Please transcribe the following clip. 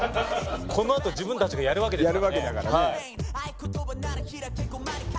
この後自分たちがやるわけですからね。